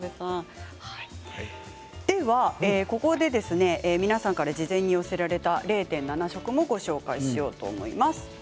では、ここで皆さんから事前に寄せられた０．７食をご紹介しようと思います。